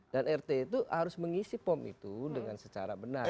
dan rt itu harus mengisi pom itu dengan secara benar